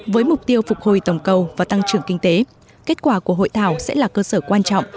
với mục tiêu phục hồi tổng cầu và tăng trưởng kinh tế kết quả của hội thảo sẽ là cơ sở quan trọng